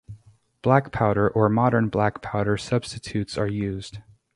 Black powder or modern black powder substitutes are used.